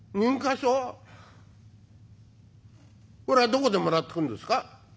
それはどこでもらってくるんですか？」。